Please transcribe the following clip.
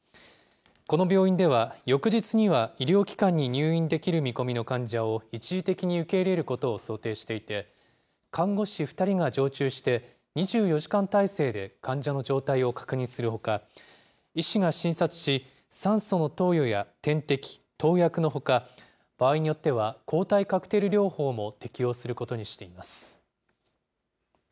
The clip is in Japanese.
この病院では、翌日には医療機関に入院できる見込みの患者を一時的に受け入れることを想定していて、看護師２人が常駐して、２４時間態勢で患者の状態を確認するほか、医師が診察し、酸素の投与や点滴、投薬のほか、場合によっては、抗体カクテル療法も適用することにしています。